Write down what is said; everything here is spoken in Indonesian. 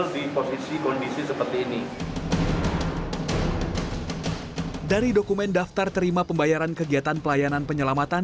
dengan daftar terima pembayaran kegiatan pelayanan penyelamatan